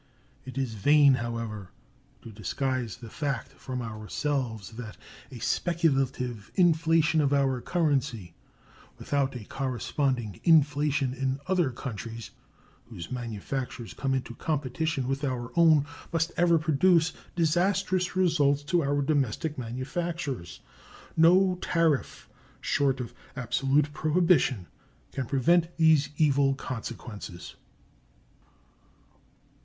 It is vain, however, to disguise the fact from ourselves that a speculative inflation of our currency without a corresponding inflation in other countries whose manufactures come into competition with our own must ever produce disastrous results to our domestic manufactures. No tariff short of absolute prohibition can prevent these evil consequences.